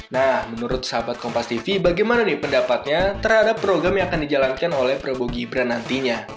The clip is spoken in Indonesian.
nah menurut sahabat kompas tv bagaimana nih pendapatnya terhadap program yang akan dijalankan oleh prabowo gibran nantinya